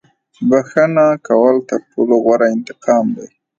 • بښنه کول تر ټولو غوره انتقام دی.